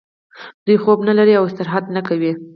دوی خوب نلري او استراحت نه کوي